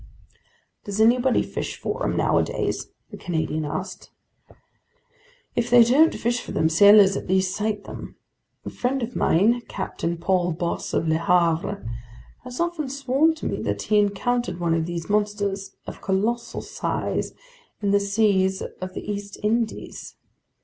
"Does anybody fish for 'em nowadays?" the Canadian asked. "If they don't fish for them, sailors at least sight them. A friend of mine, Captain Paul Bos of Le Havre, has often sworn to me that he encountered one of these monsters of colossal size in the seas of the East Indies.